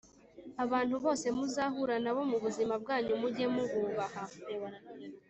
abantu bose muzahura na bo mu buzima bwanyu mujye mu bubaha